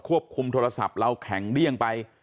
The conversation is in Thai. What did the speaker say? คุมโทรศัพท์เราแข็งเดี้ยงไป